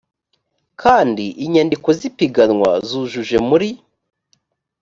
kandi inyandiko z ipiganwa zujuje muri